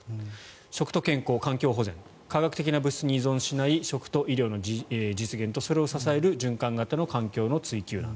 食と健康、環境保全化学的な物質に依存しない食と医療の実現とそれを支える循環型の環境の追及。